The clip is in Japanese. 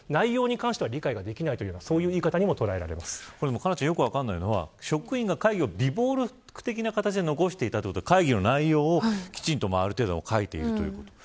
佳菜ちゃんよく分からないのは職員が会議を備忘録的な形で残しているということは会議の内容を、きちんとある程度書いているということ。